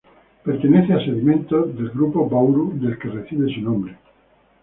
Pertenece a sedimentos del Grupo Bauru del que recibe su nombre.